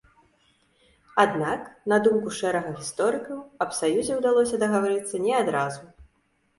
Аднак, на думку шэрага гісторыкаў, аб саюзе ўдалося дагаварыцца не адразу.